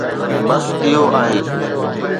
بس اهو آهي